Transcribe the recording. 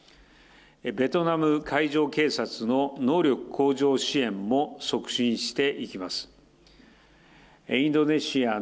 ベトナム海上警察の能力向上支援も促進していきます。